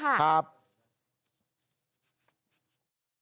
หน้าจะเมาครับ